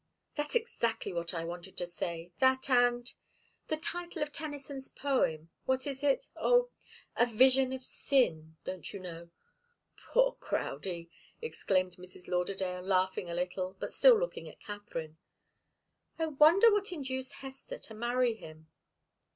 "That's exactly what I wanted to say. That and the title of Tennyson's poem, what is it? Oh 'A Vision of Sin' don't you know?" "Poor Crowdie!" exclaimed Mrs. Lauderdale, laughing a little, but still looking at Katharine. "I wonder what induced Hester to marry him."